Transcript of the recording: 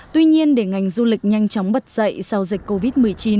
tuy nhiên để ngành du lịch nhanh chóng bật dậy sau dịch covid một mươi chín